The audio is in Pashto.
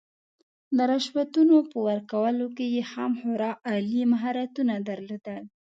د رشوتونو په ورکولو کې یې هم خورا عالي مهارتونه درلودل.